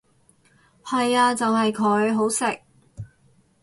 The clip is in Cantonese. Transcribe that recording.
係呀就係佢，好食！